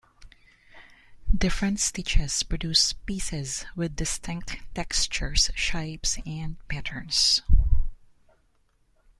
Different stitches produce pieces with distinct textures, shapes, and patterns.